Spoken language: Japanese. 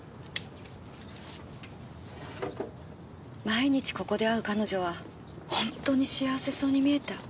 毎日ここで会う彼女はほんとに幸せそうに見えた。